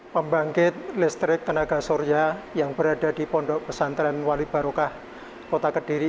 pembangkit listrik tenaga surya yang berada di pondok pesantren wali barokah kota kediri